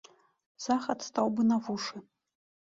Захад стаў бы на вушы.